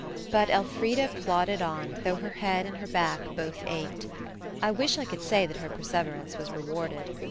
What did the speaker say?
But Elfrida plodded on, though her head and her back both ached. I wish I could say that her perseverance was rewarded.